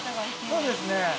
そうですね。